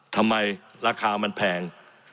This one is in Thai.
ทำไมราคามันแพง